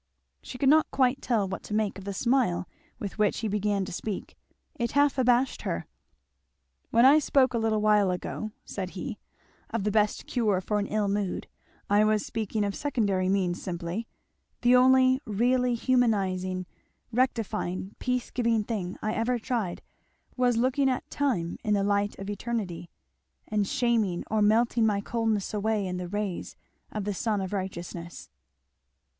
She could not quite tell what to make of the smile with which he began to speak; it half abashed her. "When I spoke a little while ago," said he, "of the best cure for an ill mood, I was speaking of secondary means simply the only really humanizing, rectifying, peace giving thing I ever tried was looking at time in the light of eternity, and shaming or melting my coldness away in the rays of the Sun of righteousness."